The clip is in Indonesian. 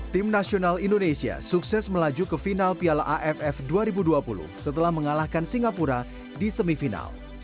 tim nasional indonesia sukses melaju ke final piala aff dua ribu dua puluh setelah mengalahkan singapura di semifinal